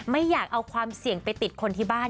ไม่อยากเอาความเสี่ยงไปติดคนที่บ้าน